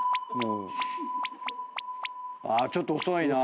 あちょっと遅いな。